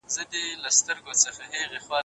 مست وو نه لیونی" یعني د دوی لیدلوری د بشریت